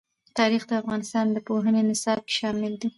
تاریخ د افغانستان د پوهنې نصاب کې شامل دي.